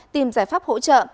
tìm giải pháp hỗ trợ